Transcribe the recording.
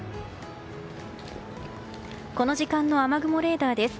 この時間の雨雲レーダーです。